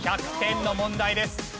１００点の問題です。